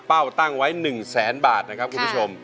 เป้าตั้งไว้หนึ่งแสนบาทนะครับคุณผู้ชม